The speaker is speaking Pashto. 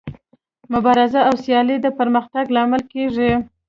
مبارزه او سیالي د پرمختګ لامل کیږي.